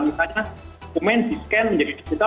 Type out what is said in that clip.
misalnya dokumen di scan menjadi digital